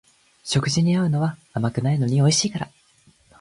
食事に合うのは甘くないのにおいしいから